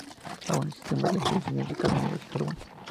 Así, existen varias ediciones de cada uno de sus álbumes.